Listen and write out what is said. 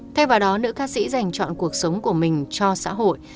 thay vào đó nữ ca sĩ dành chọn cuộc sống của mình cho xã hội